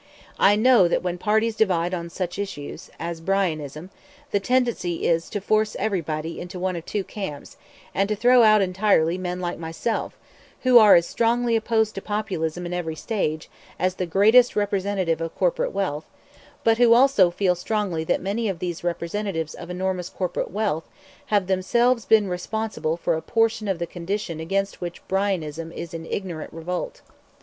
... I know that when parties divide on such issues [as Bryanism] the tendency is to force everybody into one of two camps, and to throw out entirely men like myself, who are as strongly opposed to Populism in every stage as the greatest representative of corporate wealth, but who also feel strongly that many of these representatives of enormous corporate wealth have themselves been responsible for a portion of the conditions against which Bryanism is in ignorant revolt.